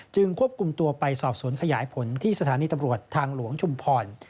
ควบคุมตัวไปสอบสวนขยายผลที่สถานีตำรวจทางหลวงชุมพร